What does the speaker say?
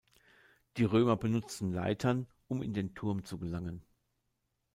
Die Römer benutzten Leitern, um in den Turm zu gelangen.